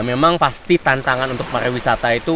memang pasti tantangan untuk para wisata itu